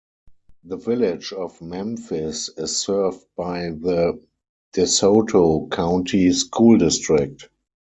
The Village of Memphis is served by the DeSoto County School District.